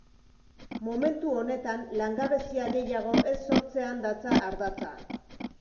Momentu honetan langabezia gehiago ez sortzean datza ardatza.